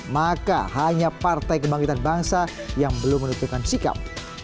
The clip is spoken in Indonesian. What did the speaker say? maka hanya partai kebangkitan bangsa yang belum menentukan sikap